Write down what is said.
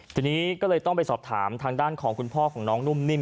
ทีนี้ก็เลยต้องไปสอบถามทางด้านของคุณพ่อของน้องนุ่มนิ่ม